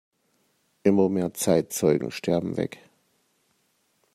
Immer mehr Zeitzeugen sterben weg.